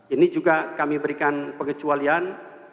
ini juga kami berikan pengecualian